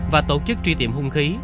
và tổ chức truy tìm hung khí